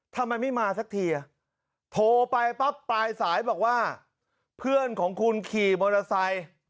ทำไมไม่มาสักทีโทรไปปั๊บปลายสายบอกว่าเพื่อนของคุณขี่มอเตอร์ไซค์